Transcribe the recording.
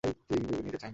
ঝুঁকি নিতে চাইনি।